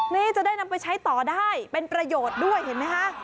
นี่จะได้นำไปใช้ต่อได้เป็นประโยชน์ด้วยเห็นไหมคะ